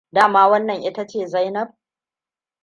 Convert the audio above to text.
Dama wannan ita ce Zainabns.